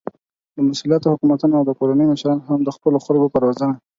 با مسؤليته حکومتونه او د کورنيو مشران هم د خپلو خلکو په روزنه